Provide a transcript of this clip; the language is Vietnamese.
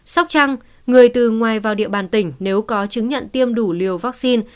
sóc trăng người từ ngoài vào địa bàn tỉnh nếu có chứng nhận tiêm đủ liều vaccine